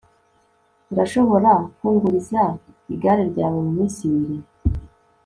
urashobora kunguriza igare ryawe muminsi ibiri